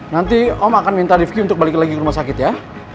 nanti om akan minta divki untuk balik lagi ke rumah sakit ya